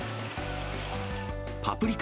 パプリカ